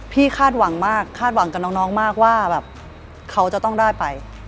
คาดหวังมากคาดหวังกับน้องมากว่าแบบเขาจะต้องได้ไป